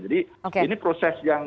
jadi ini proses yang